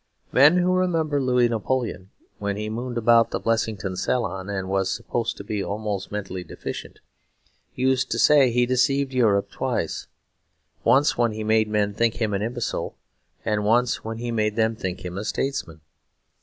Men who remembered Louis Napoleon when he mooned about the Blessington salon, and was supposed to be almost mentally deficient, used to say he deceived Europe twice; once when he made men think him an imbecile, and once when he made them think him a statesman.